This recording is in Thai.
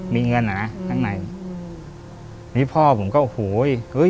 มีเงินอะน่ะข้างในอืมนี่พ่อผมก็โหฮุ้ย